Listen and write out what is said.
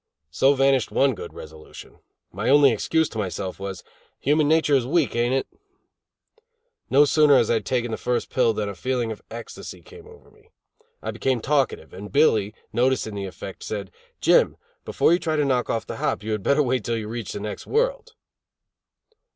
So vanished one good resolution. My only excuse to myself was: Human nature is weak, ain't it? No sooner had I taken the first pill than a feeling of ecstasy came over me. I became talkative, and Billy, noticing the effect, said: "Jim, before you try to knock off the hop, you had better wait till you reach the next world."